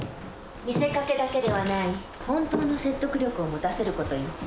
見せかけだけではない本当の説得力を持たせる事よ。